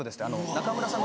「仲村さん